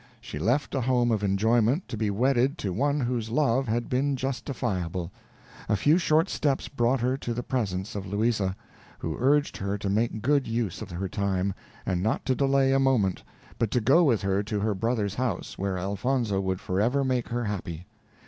She left a home of enjoyment to be wedded to one whose love had been justifiable. A few short steps brought her to the presence of Louisa, who urged her to make good use of her time, and not to delay a moment, but to go with her to her brother's house, where Elfonzo would forever make her happy.